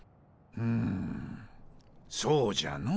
うんそうじゃの。